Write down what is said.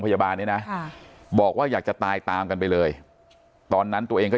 พยาบาลนี้นะบอกว่าอยากจะตายตามกันไปเลยตอนนั้นตัวเองก็